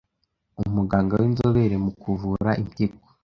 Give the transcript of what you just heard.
Umuganga w’inzobere mu kuvura impyiko